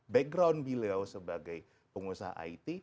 background beliau sebagai pengusaha it